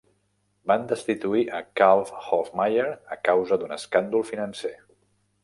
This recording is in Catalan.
Van destituir a Karl Hofmaier a causa d'un escàndol financer.